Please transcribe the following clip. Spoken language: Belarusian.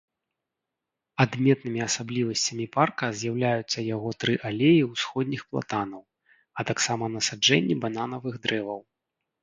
Адметнымі асаблівасцямі парка з'яўляюцца яго тры алеі ўсходніх платанаў, а таксама насаджэнні бананавых дрэваў.